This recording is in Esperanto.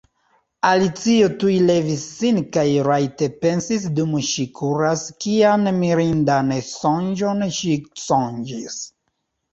Alicio tuj levis sin kaj rajte pensisdum ŝi kuraskian mirindan sonĝon ŝi sonĝis!